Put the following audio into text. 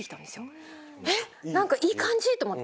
えっ何かいい感じ！と思って。